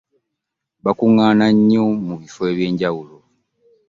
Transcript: Bakuŋŋaana nnyo mu bifo eby'enjawulo.